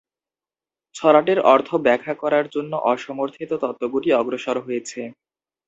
ছড়াটির অর্থ ব্যাখ্যা করার জন্য অসমর্থিত তত্ত্বগুলি অগ্রসর হয়েছে।